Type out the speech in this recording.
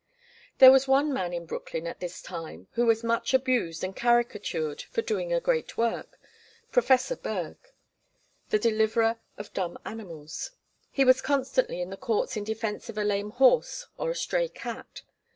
There was one man in Brooklyn at this time who was much abused and caricatured for doing a great work Professor Bergh, the deliverer of dumb animals. He was constantly in the courts in defence of a lame horse or a stray cat.